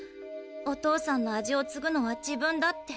「お父さんの味をつぐのは自分だ」って。